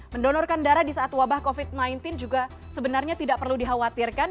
mendonorkan darah di saat wabah covid sembilan belas juga sebenarnya tidak perlu dikhawatirkan